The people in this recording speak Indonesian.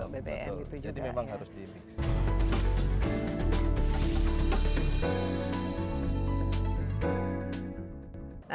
bbm itu juga jadi memang harus di mix